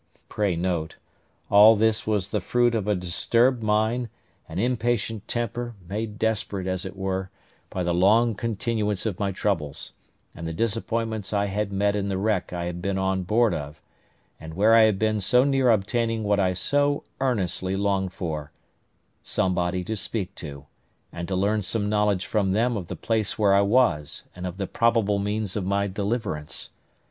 Pray note, all this was the fruit of a disturbed mind, an impatient temper, made desperate, as it were, by the long continuance of my troubles, and the disappointments I had met in the wreck I had been on board of, and where I had been so near obtaining what I so earnestly longed for—somebody to speak to, and to learn some knowledge from them of the place where I was, and of the probable means of my deliverance.